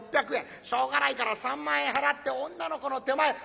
しょうがないから３万円払って女の子の手前